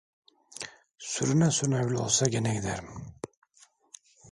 Sürüne sürüne bile olsa gene giderim!